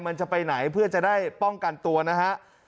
มันจะไปไหนเพื่อจะได้ป้องกันตัวนะฮะ